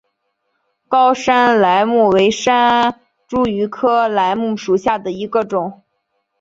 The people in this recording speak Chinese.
高山梾木为山茱萸科梾木属下的一个种。